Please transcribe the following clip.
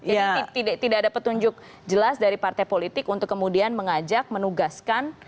jadi tidak ada petunjuk jelas dari partai politik untuk kemudian mengajak menugaskan